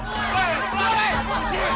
hei jangan berisik